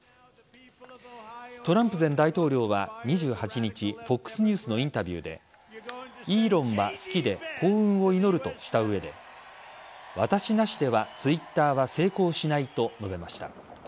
トランプ前大統領は２８日ＦＯＸニュースのインタビューでイーロンは好きで幸運を祈るとした上で私なしではＴｗｉｔｔｅｒは成功しないと述べました。